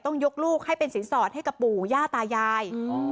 ต้องยกลูกให้เป็นสินสอดให้กับปู่ย่าตายาย